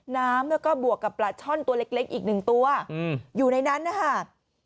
น้ำแล้วก็บวกกับปลาช่อนตัวเล็กอีกหนึ่งตัวอยู่ในนั้นนะคะ